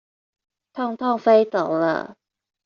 痛痛飛走了